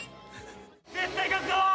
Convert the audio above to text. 絶対勝つぞ！